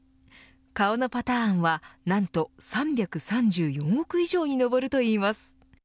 顔のパターンは、何と３３４億以上に上るといいます。